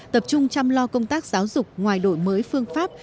tập trung chăm lo công tác giáo dục ngoài đổi mới phương pháp